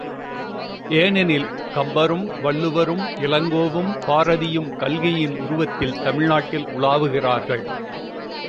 ஏனெனில் கம்பரும், வள்ளுவரும், இளங்கோவும், பாரதியும், கல்கியின் உருவத்தில் தமிழ்நாட்டில் உலாவுகிறார்கள்.